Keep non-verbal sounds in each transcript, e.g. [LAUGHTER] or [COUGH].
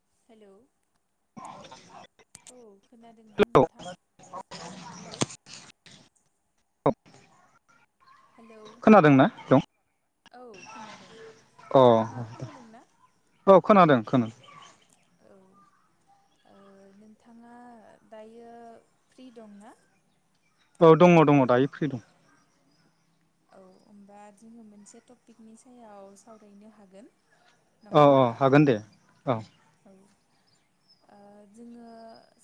[INAUDIBLE] Hello [INAUDIBLE] hello खोनादोंना दं औ खोनादों अ नोंथाङा खोनादों ना औ खोनादों खोना [INAUDIBLE] औ दङ दङ दायो फ्रि दं औ होमबा जोङो मोनसे टपिकनि सायाव सावरायनो हागोन नङा औ औ होनबा हागोन दे औ औ ओ जोङो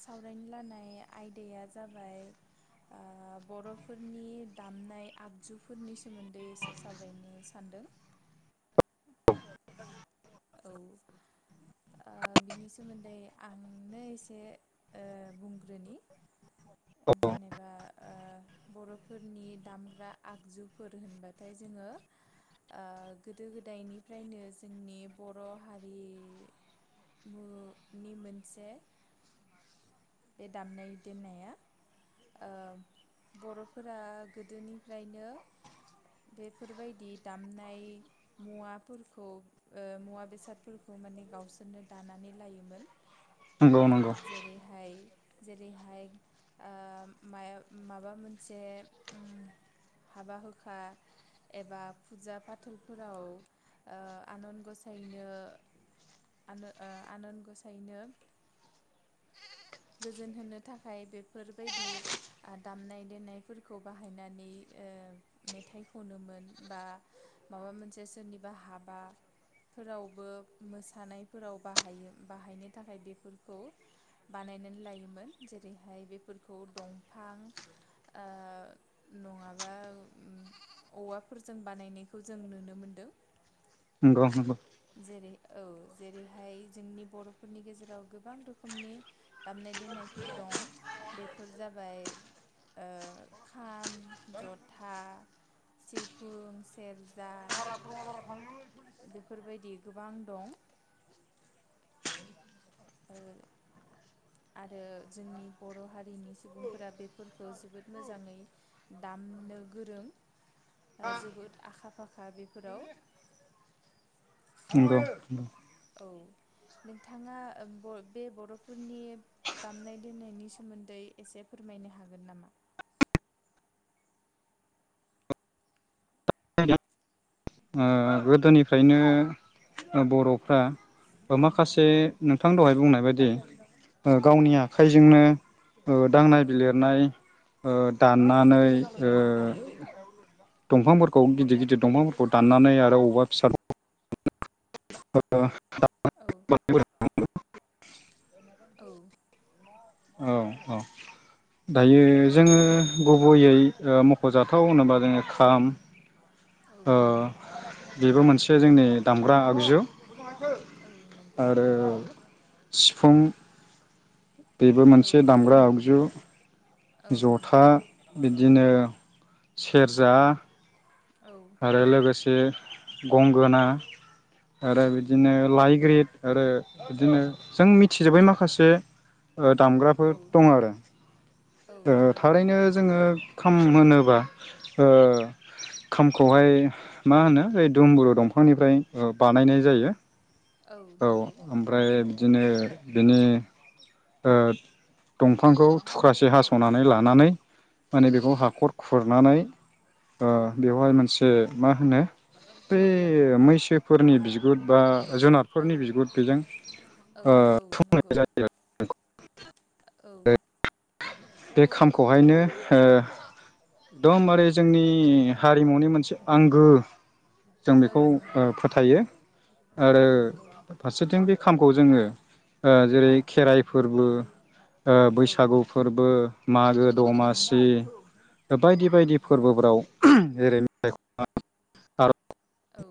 सावरायनो लानाय आयदाया जाबाय ओ बरफोरनि दामनाय आगजु फोरनि सोमोन्दै एसे सावरायनो सान्दों [INAUDIBLE] औ जेनेबा ओ बरफोरनि दामग्रा आगजुफोर होनबाथाय जोङो गोदो गोदायनिफ्रायनो जोंनि बर हारि मु नि मोनसे बे दामनाय देनाया ओ बरफोरा नंगौ ओ नंगौ जेरैहाय जेरैहाय ओ माय माबा मोनसे ओम हाबा हुखा एबा फुजा फाथलफोराव ओ आनान गसायनो आंनो ओ आनन गसायनो गोजोन होनो थाखाय बेफोरबायदि दामनाय देनायफोरखौ बाहायनानै ओ मेथाइ खनोमोन बा माबा मोनसे सोरनिबा हाबा फोरावबो मोसानायफोराव बाहाय बाहायनो थाखाय बेफोरखौ बानायनानै लायोमोन जेरैहाय बेफोरखौ दंफां ओ नङाबा ओम औवाफोरजों बानायनायखौ जों नुनो मोनदों नंगौ नंगौ जेरै औ जेरैहाय जोंनि बरफोरनि गेजेराव गोबां रोखोमनि दामनाय देनायफोर दं बेफोर जाबाय ओ खाम जथा सिफुं सेरजा बेफोरबायदि गोबां दं ओ आरो जोंनि बर हारिनि सुबुंफोरा बेफोरखौ जोबोद मोजाङै दामनो गोरों जोबोद आखा फाखा बेफोराव नंगौ औ नोंथाङा बे बर'फोरनि दामनाय देनायनि सोमोन्दै एसे फोरमायनो हागोन नामा ओ गोदोनिफ्रायनो बरफ्रा औ ओ माखासे औ नोंथां दहाय बुंनाय बायद दे ओ औ गावनि आखाइजोंनो औ दांनाय औ बिलिरनाय ओ दाननानै ओ दंफांफोरखौ गिदिर गिदिर दंफांफोर खौ दाननानै आरो अबेबा फिसा [UNINTELLIGIBLE] [UNINTELLIGIBLE] [UNINTELLIGIBLE] औ औ औ दायो जोङो गुबैयै ओ मखजाथाव होनोबा जोङो खाम ओ औ बेबो मोनसे जोंनि दामग्रा आगजु औ नंगौ आरो सिफुं बेबो औ मोनसे दामग्रा आगजु औ जथा नंगौ बिदि दिनो सेरजा औ आरो लोगोसे गंगोना आरो औ बिदिनो लाइग्रिद आरो बिदिनो जों मिथिजोब्बै माखासे ओ दामग्राफोर औ दं आरो औ ओ नंगौ थारैनो जोङो खाम होनोबा ओ खामखौहाय मा होनो ओइ दुमबुरु दंफांनिफ्राय बानायनाय औ जायो औ आमफ्राय बिदिनो बिनि ओ दंफांखौ थुख्रासे हास'नानै लानानै माने औ बेखौ हाखर खुर नानै ओ औ बेवहाय मोनसे ओ मा होनो बे मैसोफोरनि बिगुर बा जुनारफोरनि बिगुर बेजों औ ओ औ थुं ना य नंगौ जायो आरो [INAUDIBLE] औ बे खामखौहायनो ओ एकदमबारे जोंनि हारिमुनि मोनसे आंगो जों औ बेखौ ओ नंगौ फोथायो आरो औ औ फारसेथिं बे खामखौ जोंङो ओ जेरै खेराइ फोरबो ओ औ बैसागु फोरबो मागो औ नंगौ दमासि बायदि औ बायदि फोरबो ब्राव जेरै [UNINTELLIGIBLE] औ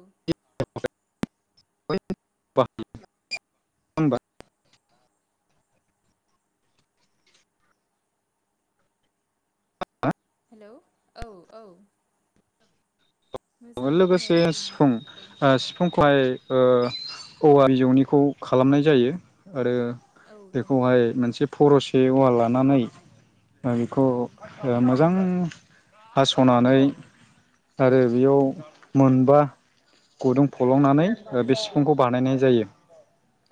[UNINTELLIGIBLE] हेलौ औ औ मोजां लोगोसे खोनायाखैमोन सिफुं औ ओ सिफुंखौ फाय ओ औ औवा बिजौनिखौ खालामनाय जायो आरो औ नंगौ बेखौहाय मोनसे फरसे औवा लानानै ओ खौ औ ओ मोज जां हासनानै औ बौ मोनबा गुदुं फलंनानै बे सिफुंखौ बानायनाय जायो।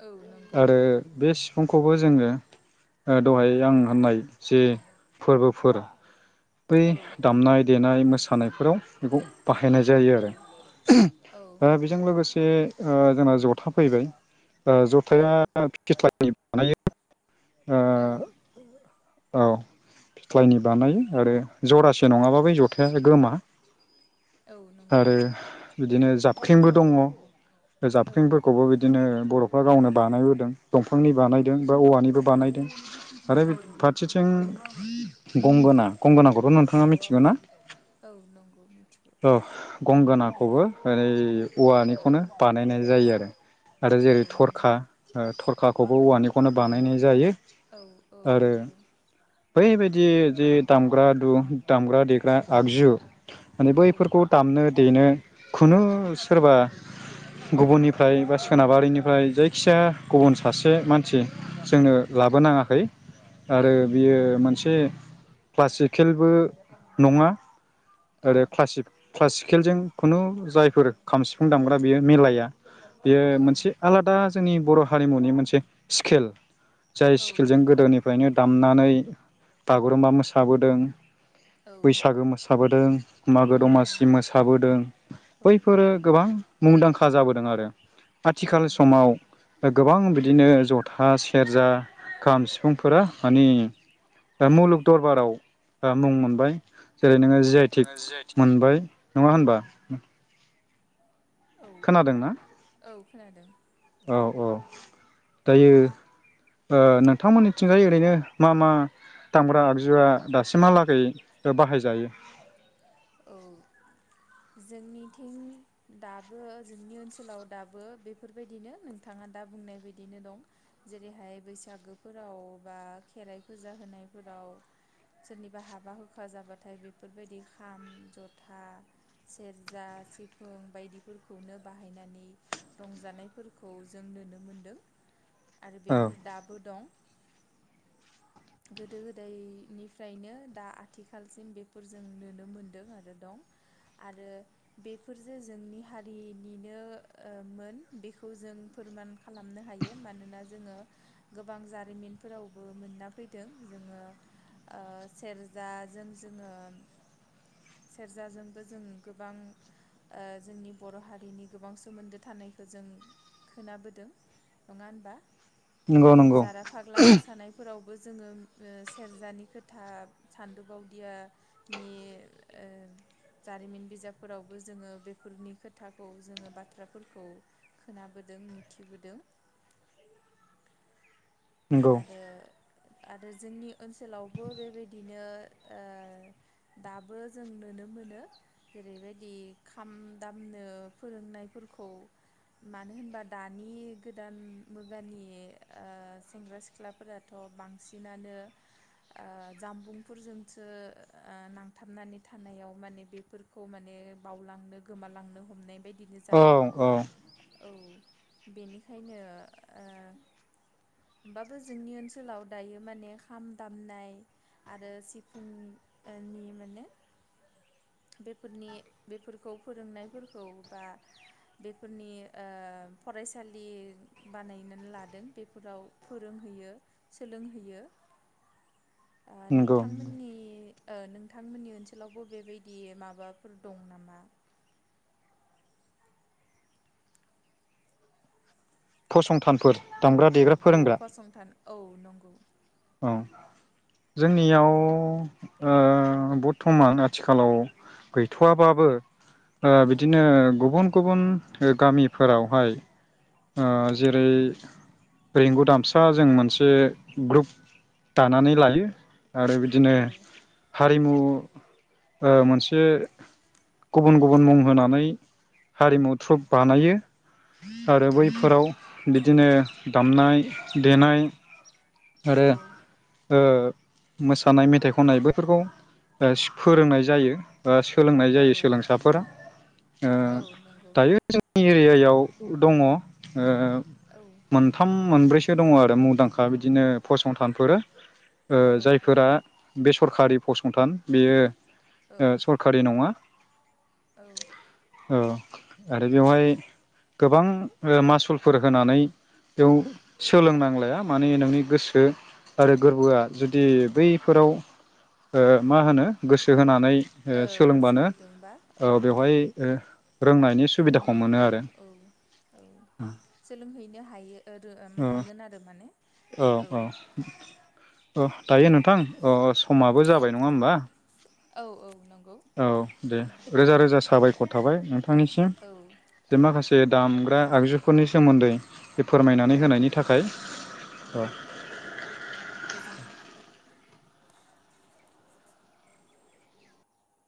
औ नंगौ आरो बेस खंखौबो जोंङो ओ दहाय आं होननाय जे फोर्बोफोर बै औ दामनाय देनाय मोसानायफोराव बेखौ बाहायनाय जायो औ आरो औ ओ बेजों लोगोसे से ओ जोंना जथा फैबाय ओ औ जथाया [UNINTELLIGIBLE] बानायो ओ औ औ फिथ्लायनि बानायो आरो जरासे नंङाबा बै जथाया गोमा औ नोंगौ आरो बिदिनो जाबख्रिंबो दङ ओ औ जाबख्रिंफोरखौबो इदिनो बर'फ्रा गावनो बानायबोदों दंफ फिफांनि बानायदों औ बा औवानिबोब बायदों आरो बे औ नंगौ फारसेथिं गंगोना गंगोनाखौथ' नोंथाङा मिथिगौ ना? औ नंगौ मिथिगौ। औ गंगोनाखौबो ओरै औवानिखौनो बानायनाय जायो आरो आरो जेरै औ नंगौ थरखा ओ थरखाखौबो औ औवानिखौनो बानायनाय ज जायो औ औ आरो नंगौ बै बायद दि जि दामग्रा दु दामग्रा देग्रा आगजु माने औ बैफोरखौ दामनो देनो खुनु सोरबा गुबुननिफ्राय बा सोनाबारिनिफ्राय जायखिजाया गुबुन सासे मानसि जोंनो औ लाबोनाङाखै औ आरो बियो नंगौ मोनसे क्लासिकेलबो नङा। औ आरो क्लासिक क्लासिकेलजों खुनु जायफोर खाम सिफुं दामग्रा बेयो मिलाया। बेयो औ मोनसे आलादा ज जोंनि बर' हारिमुनि मोनसे स्केल। जाय औ स्किलजों नंगौ गोदोनिफ्रायनो दाम नानै बागुरुम्बा मोसाबोदों। औ बैसागो मोसाबोद दों मागो दमासि नंगौ मोसाबोदों औ बैफोरो नंगौ गोबां मुंदांख खा जाबोदों आरो औ आथिखाल नंगौ समाव ओ गोबां बिद दिनो जथा स सेरजा, खाम, सिफुंफोरा मानि दा मुलुग दरबाराव आ मुं मोनबाय जेरै नोङो जि आइ टिक नोङो जि आइ टि मोनबाय। नङा होनबा उम औ खोनादोंना? औ खोनादों। औ औ दायो ओ नोंथांमोननिथिंआय ओरैनो मा मा दामग्रा आगजुआ दासिमहालागै ओ बाहायजायो? औ जोंनिथिं दाबो जोंनि ओनसोलाव दाबो बेफोर बायदिनो नोंथाङा दा बुंनाय बायदिनो दं जेरैहाय बैसागोफोराव बा खेराइ फुजा होनायफोराव सोरनिबा हाबा होखा जाबाथाय बेफोर बायदि खा खाम, जथा, सेरजा, सिफुं बायदिफोरखौनो बाहायनानै रंजानायफोरखौ जों नुनो मोनदों। आरो औ बेफोर दाबो दं। गोदो गोदायनिफ्रायनो दा आथिखालसिम बेफोरजों नुनो मोनदों आरो दं आरो बेफोरजों जोंनि हारिनिनो ओ मोन बेखौ जों फोरमान खालामनो हायो। मानोना जोङो गोबां जारिमिनफोरावबो मोनना फैदों जोङो ओ सेरजाजों जोङो। सेरजाजोंबो जों गोबां ओ जोंनि बर' हारिनि गोबां सोमोन्दो थानायखौ जों खोनाबोदों। नङा होनबा? नंगौ नंगौ जारा फाग्ला मोसानायफोराव। बो जोङो सेरजानि खोथा सान्दो बावदियानि ओ जारिमिन बिजाबफोरावबो जोङो बेफोरनि खोथाखौ जोङो बाथ्राफोरखौ खोनाबोदों मिथिबोदों। नंगौ आरो। आरो जोंनि ओनसोलावबो बेबायदिनो ओ दाबो जों नुनो मोनो जेरैबायदि खाम दामनो फोरोंनाय फोरखौ मानो होनबा दानि गोदान मुगानि ओ सेंग्रा सिख्लाफोराथ' बांसिनानो ओ जामबुंफोरजोंसो नांथाबनानै थानायाव माने बेफोरखौ माने बावलांनो गोमालांनो हमनाय बायदि। औ औ। औ बेनिखायनो ओ। बाबो जोंनि ओनसोलाव दायो माने खाम दामनाय आरो सिफुंनि माने बेफोरनि बेफोरखौ फोरोंनायफोरखौ बा बेफोरनि ओ फरायसालि बानायनानै लादों बेफोराव। फोरोंहैयो सोलोंहोयो। ओ नंगौ नोंथांमोननि ओ नोंथांमोननि ओनसोलावबो बेबायदि माबाफोर दं नामा? फसंथानफोर दामग्रा देग्रा औ फोरोंग्रा। फसंथान औ नंगौ। औ जोंनियाव ओ बर्थमान आथिखालाव गैथ'वाबाबो ओ औ बिदिनो गुबुन गुबुन गामिफोरावहाय। ओ औ जेरै रेंगु दामसा जों मोनसे ग्रुप। दानानै लायो। आरो बिदिनो औ हा रिमु अ मोनसे गुबुन-गुबुन मुं होनानै हारिमु थ्रुप बानायो। औ आरो नंगौ बैफोराव बिदिनो। दामनाय देनाय, आरो औ ओ मोसानाय, मेथाइ खननाय बैफोरखौ अ फोरोंनाय जायो। ओ सोलोंनाय औ जायो सोलोंसाफोरा। ओ औ नंगौ दायो जोंनि एरियायाव दङ ओ औ मोनथाम मोनब्रैसो दङ आरो मुंदांखा बिदिनो फस थानफोर। ओ औ औ जायफोरा बेस सरखारि फसंथान बेयो औ अ सरखारि नङा औ ओ आरो बेवहाय गोबां औ मासुलफोर होनानै बेयाव सोलोंनांलाया माने नोंनि गोसो आरो गोरबोआ जुदि बैफोराव ओ मा होनो गोसो होना- नै ओ गोसो सोलोंबानो गुदुंबा औ अ बेवहाय ओ रोंनायनि सोलों सुबिदाखौ मोनो औ आरो औ औ सोलोंहैनो हायो औदऔम औ हागोन आरो माने औ औ। अह दायो नोंथां अ समाबो जाबाय नङा औ होमबा औ नंगौ औ दे होमबा रोजा-रोजा औ साबायखर थाबाय नोंथांनिसिम औ जे औ माखासे दे दामग्रा आगजुफोरनि सोमोन्दै बे फोरमायनानै औ होनायनि थाखाय औ जागोन गोजोन्थों।